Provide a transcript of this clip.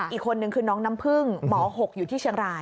อีกคนนึงคือน้องน้ำพึ่งหมอ๖อยู่ที่เชียงราย